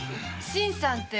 新さんだ。